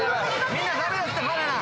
みんな駄目だってバナナ。